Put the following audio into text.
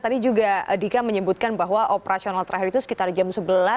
tadi juga dika menyebutkan bahwa operasional terakhir itu sekitar jam sebelas